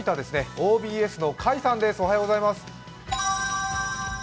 ＯＢＳ甲斐さんです。